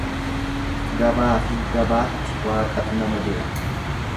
Gabaafi gobaatti waaqatu nama dira.